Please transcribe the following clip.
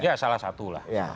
ya salah satu lah